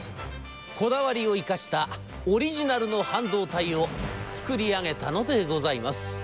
こだわりを生かしたオリジナルの半導体を作り上げたのでございます」。